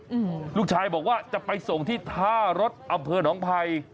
อืมลูกชายบอกว่าจะไปส่งที่ท่ารถอำเภอหนองภัย